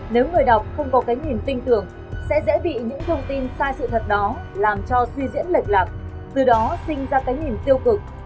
nếu người đọc không có cái nhìn tin tưởng sẽ dễ bị những thông tin sai sự thật đó làm cho suy diễn lệch lạc từ đó sinh ra cái nhìn tiêu cực